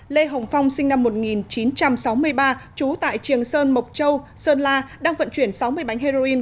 lê hồng phong sinh năm một nghìn chín trăm sáu mươi ba trú tại trường sơn mộc châu sơn la đang vận chuyển sáu mươi bánh heroin